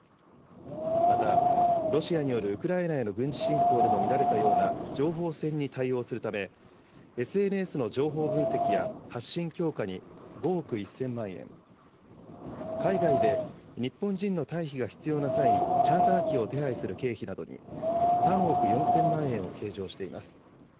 また、ロシアによるウクライナへの軍事侵攻でも見られたような情報戦に対応するため、ＳＮＳの情報分析や発信強化に５億１０００万円、海外で日本人の退避が必要な際に、チャーター機を手配する経費などに３億４０００万円を計上しています。